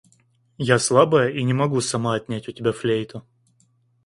Я слабая и не могу сама отнять у тебя флейту.